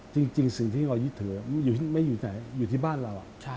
สิ่งที่เรายึดถือไม่อยู่ที่บ้านเรา